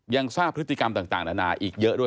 ยังทราบควต่างอีกเยอะด้วย